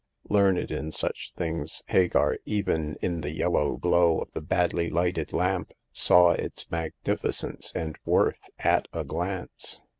Learned in such things, Hagar, even in the yellow glow of the badly lighted lamp, saw its magnificence and worth at a glance.